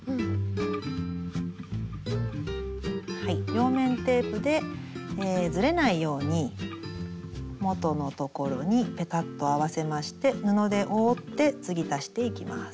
両面テープでずれないように元のところにペタッと合わせまして布で覆って継ぎ足していきます。